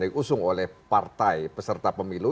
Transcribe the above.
diusung oleh partai peserta pemilu